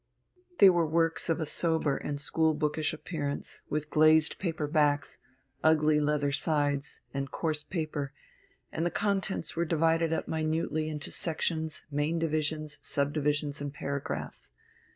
They were works of a sober and school bookish appearance, with glazed paper backs, ugly leather sides, and coarse paper, and the contents were divided up minutely into sections, main divisions, sub divisions, and paragraphs.